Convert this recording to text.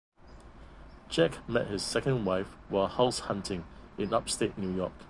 Jack met his second wife while house hunting in upstate New York.